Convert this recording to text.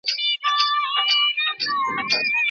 د مخطوبې د کورنۍ ستاينه بايد سوې وای.